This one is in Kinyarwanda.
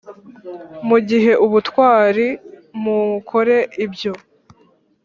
Mugire ubutwari h mukore ibyo